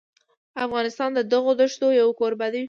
افغانستان د دغو دښتو یو کوربه دی.